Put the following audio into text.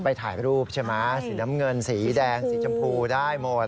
ถ่ายรูปใช่ไหมสีน้ำเงินสีแดงสีชมพูได้หมด